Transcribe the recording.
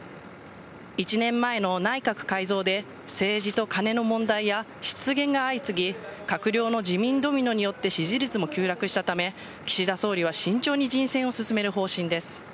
１年前の内閣改造で、政治とカネの問題や失言が相次ぎ、閣僚の辞任ドミノによって支持率も急落したため、岸田総理は慎重に人選を進める方針です。